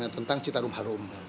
tentang citarum harum